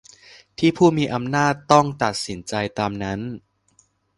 ที่ผู้มีอำนาจต้องตัดสินใจตามนั้น